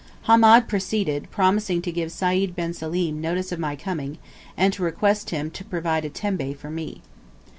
Hamed preceded, promising to give Sayd bin Salim notice of my coming, and to request him to provide a tembe for me.